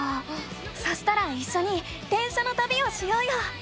そしたらいっしょに電車のたびをしようよ！